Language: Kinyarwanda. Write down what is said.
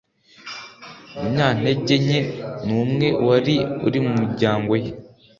munyantege nke n umwe wari uri mu miryango ye